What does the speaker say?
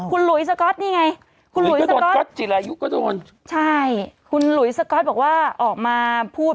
คุณหลุยสก๊อตนี่ไงคุณหลุยสก๊อตใช่คุณหลุยสก๊อตบอกว่าออกมาพูด